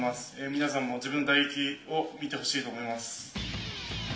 皆さんも自分の打撃を見てほしいと思います。